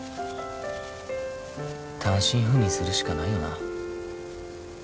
単身赴任するしかないよな